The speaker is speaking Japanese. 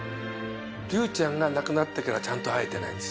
竜ちゃんが亡くなってからちゃんと会えてないです。